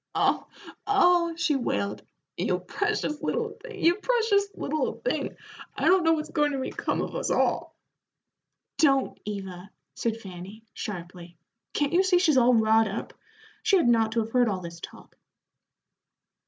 "Oh, oh!" she wailed, "you precious little thing, you precious little thing, I don't know what's goin' to become of us all." "Don't, Eva," said Fanny, sharply; "can't you see she's all wrought up? She hadn't ought to have heard all this talk."